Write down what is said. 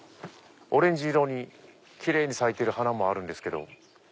オレンジ色にキレイに咲いてる花もあるんですけど。